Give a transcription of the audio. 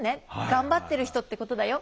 頑張ってる人ってことだよ」